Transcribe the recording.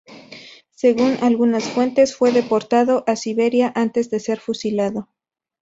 Según algunas fuentes, fue deportado a Siberia antes de ser fusilado.